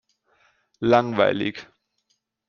Langweilig!